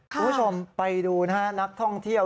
คุณผู้ชมไปดูนะฮะนักท่องเที่ยว